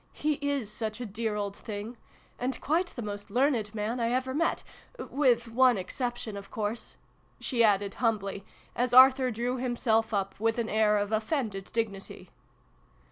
He is such a dear old thing ! And quite the most learned IX] THE FAREWELL PARTY. 129 man I ever met with one exception, of course !" she added humbly, as Arthur drew himself up with an air of offended dignity.